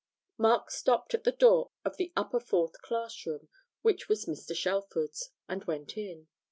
Mark stopped at the door of the Upper Fourth Classroom, which was Mr. Shelford's, and went in.